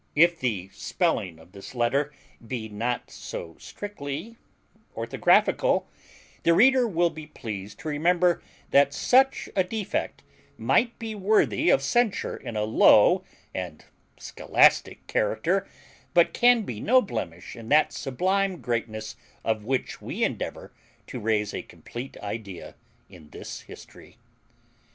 If the spelling of this letter be not so strictly orthographical, the reader will be pleased to remember that such a defect might be worthy of censure in a low and scholastic character, but can be no blemish in that sublime greatness of which we endeavour to raise a complete idea in this history.